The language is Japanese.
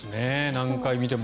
何回見ても。